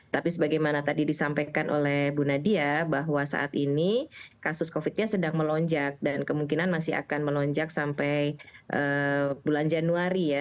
tapi sebagaimana tadi disampaikan oleh bu nadia bahwa saat ini kasus covid nya sedang melonjak dan kemungkinan masih akan melonjak sampai bulan januari ya